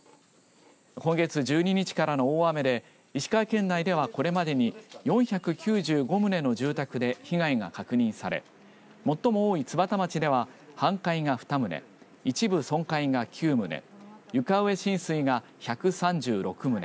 今月１２日からの大雨で石川県内ではこれまでに４９５棟の住宅で被害が確認され最も多い津幡町では半壊が２棟一部損壊が９棟床上浸水が１３６棟